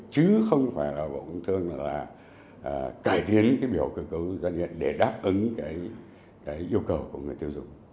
chứ không phải là bộ công thương nữa là cải tiến cái biểu cơ cấu giá điện để đáp ứng cái yêu cầu của người tiêu dùng